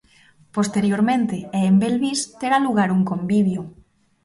Posteriormente, e en Belvís, terá lugar un convivio.